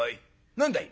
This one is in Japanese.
何だい？」。